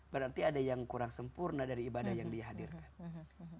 berarti ada yang kurang sempurna dari ibadah yang dihadirkan